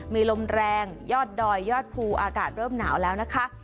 มีลมแรงยอดดอยยอดภูอากาศเริ่มหนาวแล้วนะคะ